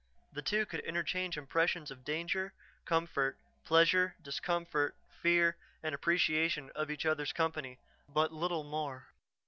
The two could interchange impressions of danger, comfort, pleasure, discomfort, fear, and appreciation of each other's company, but little more.